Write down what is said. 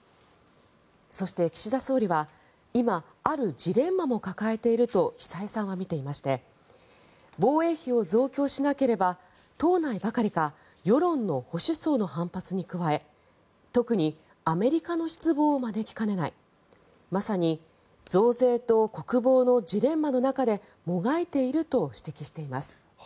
そして岸田総理は今、あるジレンマも抱えていると久江さんは見ていまして防衛費を増強しなければ党内ばかりか世論の保守層の反発に加え特にアメリカの失望を招きかねないまさに増税と国防のジレンマの中でもがいていると指摘しています。